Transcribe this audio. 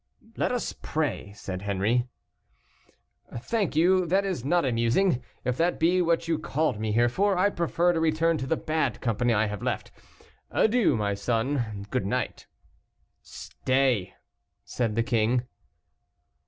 "Let us pray," said Henri. "Thank you, that is not amusing. If that be what you called me here for, I prefer to return to the bad company I have left. Adieu, my son. Good night." "Stay," said the king.